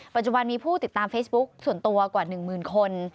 ปัจจุบันมีผู้ติดตามเฟซบุ๊คส่วนตัวกว่า๑หมื่นคน